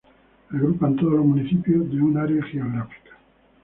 Agrupan todos los municipios de una área geográfica.